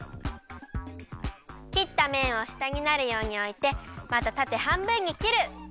きっためんをしたになるようにおいてまたたてはんぶんにきる。